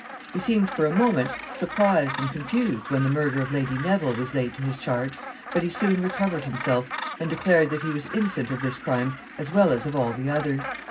He seemed for a moment surprised and confused when the murder of Lady Neville was laid to his charge, but he soon recovered himself, and declared that he was innocent of this crime as well as of all the others.